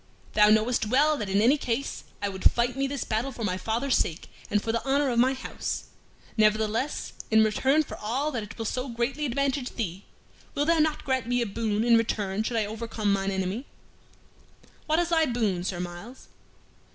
Thou knowest well that in any case I would fight me this battle for my father's sake and for the honor of my house; nevertheless, in return for all that it will so greatly advantage thee, wilt thou not grant me a boon in return should I overcome mine enemy?" "What is thy boon, Sir Myles?"